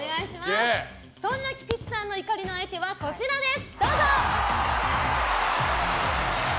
そんな菊地さんの怒りの相手はこちらです。